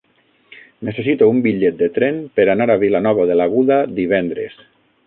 Necessito un bitllet de tren per anar a Vilanova de l'Aguda divendres.